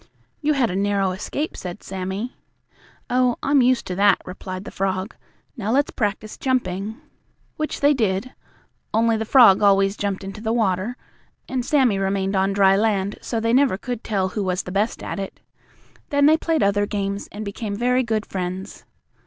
"You had a narrow escape," said Sammie. "Oh, I'm used to that," replied the frog. "Now, let's practice jumping." Which they did, only the frog always jumped into the water and Sammie remained on dry land, so they never could tell who was the best at it. Then they played other games, and became very good friends.